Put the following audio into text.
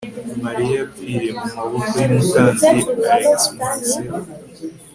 Mariya yapfiriye mu maboko yumutambyi alexmarcelo